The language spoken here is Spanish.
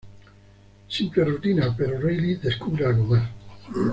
Simple rutina, Pero Reilly descubre algo más.